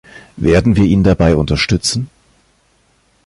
Werden wir ihn dabei unterstützen?